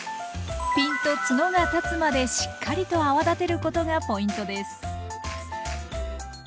ピンとツノが立つまでしっかりと泡立てることがポイントです。